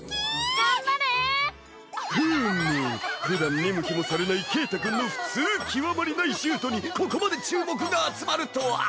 頑張れ！ふむふだん見向きもされないケータくんの普通極まりないシュートにここまで注目が集まるとは。